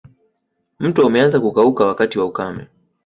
Mto umeanza kukauka wakati wa ukame